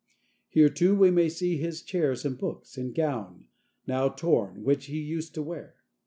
Here, too, we may see his chairs and books, and a gown, now torn, which he used to wear.